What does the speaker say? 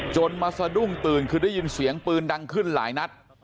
มาสะดุ้งตื่นคือได้ยินเสียงปืนดังขึ้นหลายนัด